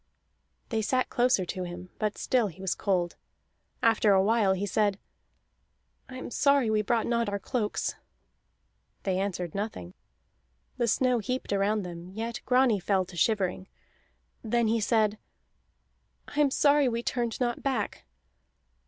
They sat closer to him, but still he was cold. After a while he said: "I am sorry we brought not our cloaks." They answered nothing. The snow heaped around them, yet Grani fell to shivering. Then he said: "I am sorry we turned not back."